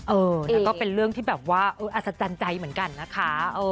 เออแล้วก็เป็นเรื่องที่แบบว่าอัศจรรย์ใจเหมือนกันนะคะ